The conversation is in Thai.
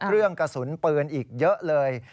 เรื่องกระสุนปืนอีกเยอะเลย